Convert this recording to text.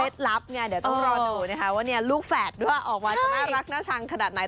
เพชรลับเนี่ยเดี๋ยวต้องรอดูว่าเนี่ยลูกแฝดดูว่าออกมาจะน่ารักน่าชังขนาดไหน